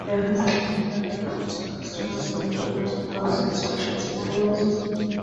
However, there have been numerous arguments for externalism that do not involve science-fiction scenarios.